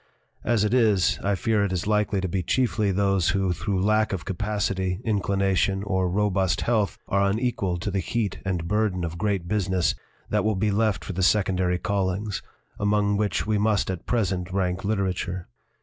As it is, I fear it is likely to be chiefly those who through lack of capacity, inclination, or robust health are unequal to the heat and burden of great business that will be left for the secondary callings, among which we must at present rank literature.